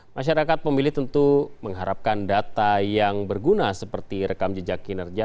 masyarakat pemilih tentu mengharapkan data yang berguna seperti rekam jejak kinerja